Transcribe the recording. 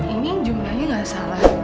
ini jumlahnya gak salah